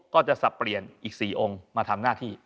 สับเปลี่ยนอีก๔องค์มาทำหน้าที่